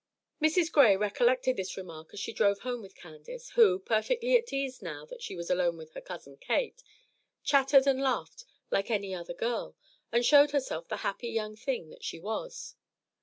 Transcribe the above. Mrs. Gray recollected this remark as she drove home with Candace, who, perfectly at ease now that she was alone with her cousin Kate, chattered and laughed like any other girl, and showed herself the happy young thing that she was.